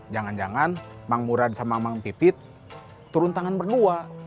jangan jangan bang murad sama mang pipit turun tangan berdua